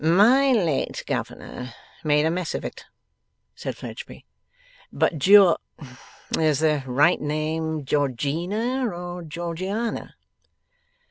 'My late governor made a mess of it,' said Fledgeby. 'But Geor is the right name Georgina or Georgiana?